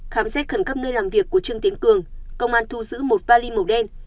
khám xét khẩn cấp nơi làm việc của trương tiến cường công an thu giữ một vali màu đen